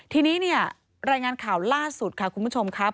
ทีนี้เนี่ยรายงานข่าวล่าสุดค่ะคุณผู้ชมครับ